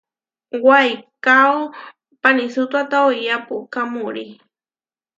Waikáo panisútoata oʼía puʼká murí.